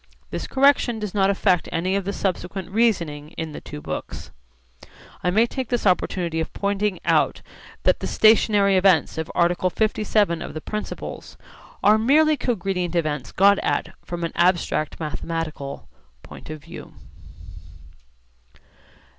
This correction does not affect any of the subsequent reasoning in the two books. I may take this opportunity of pointing out that the 'stationary events' of article 57 of the Principles are merely cogredient events got at from an abstract mathematical point of view.